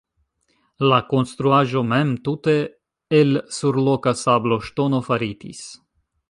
La konstruaĵo mem tute el surloka sabloŝtono faritis.